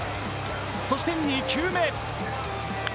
そして２球目。